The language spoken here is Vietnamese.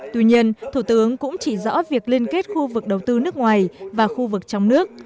tuy nhiên thủ tướng cũng chỉ rõ việc liên kết khu vực đầu tư nước ngoài và khu vực trong nước